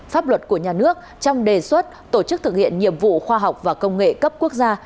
pháp luật của nhà nước trong đề xuất tổ chức thực hiện nhiệm vụ khoa học và công nghệ cấp quốc gia